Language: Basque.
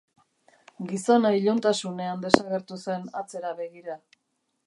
Gizona iluntasunean desagertu zen atzera begira.